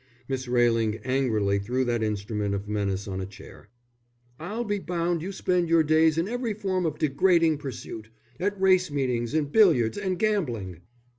Miss Railing angrily threw that instrument of menace on a chair. "I'll be bound you spend your days in every form of degrading pursuit. At race meetings, and billiards, and gambling."